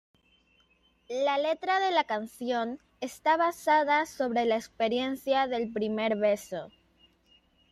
La letra de la canción está basada sobre la experiencia del primer beso.